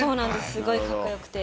すごいかっこよくて。